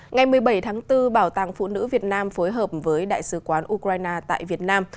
ngày một mươi bảy tháng bốn bảo tàng phụ nữ việt nam phối hợp với đại sứ quán ukraine tại việt nam